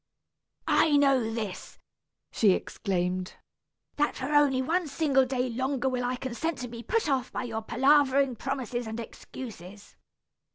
"I know this," she exclaimed, "that for only one single day longer will I consent to be put off by your palavering promises and excuses.